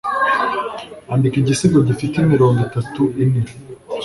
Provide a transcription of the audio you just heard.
Andika igisigo gifite imirongo itatu ine.